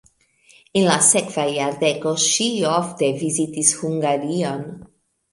En la sekva jardeko ŝi ofte vizitis Hungarion.